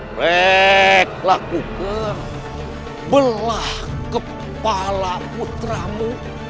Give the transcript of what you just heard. break lakukan belah kepala putramu